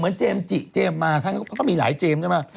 เหมือนเจมส์จิเจมส์มาก็มีหลายเจมส์ใช่ไหม